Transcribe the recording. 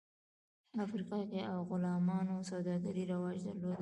افریقا کې غلامانو سوداګري رواج درلود.